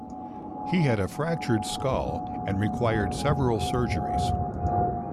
He had a fractured skull and required several surgeries.